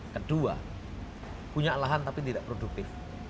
kedua punya lahan tapi tidak produktif